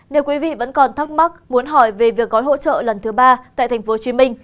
nếu quý vị vẫn còn thắc mắc muốn hỏi về việc gói hỗ trợ lần thứ ba tại tp hcm